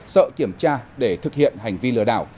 sợ kiểm tra để thực hiện hành vi lừa đảo